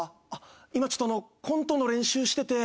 今ちょっとコントの練習してて。